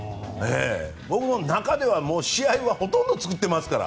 僕の中では試合はほとんど作ってますから。